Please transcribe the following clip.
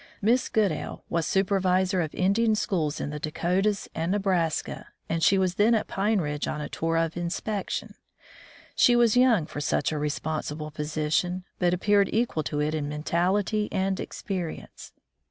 Miss Goodale was supervisor of Indian schools in the Dakotas and Nebraska, and she was then at Pine Ridge on a tour of inspection. She was young for such a responsible position, but appeared equal to it in mentality and experience.